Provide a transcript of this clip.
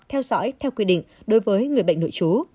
theo dõi theo quy định đối với người bệnh nội trú